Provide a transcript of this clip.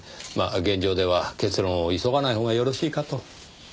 まあ現状では結論を急がないほうがよろしいかと。